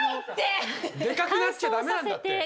でかくなっちゃダメなんだって！